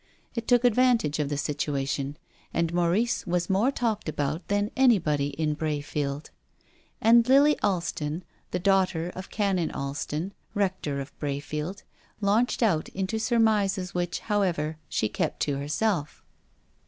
It took advantage of the situation, and Maurice was more talked about than anybody in Brayfield. And Lily Alston, the daughter of Canon Alston, Rector of Bray field, launched out into surmises which, however, she kept to herself.